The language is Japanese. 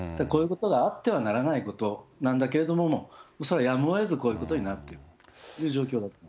こういうことがあってはならないことなんだけれども、もうそれはやむをえずこういうことになっている状況だと。